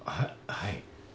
はい。